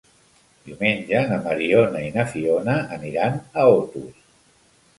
Diumenge na Mariona i na Fiona aniran a Otos.